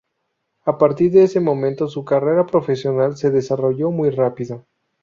A partir de ese momento, su carrera profesional se desarrolló muy rápido.